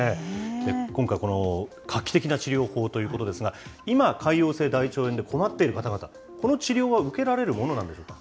今回、この画期的な治療法ということですが、今、潰瘍性大腸炎で困っている方々、この治療は受けられるものなんでしょうか。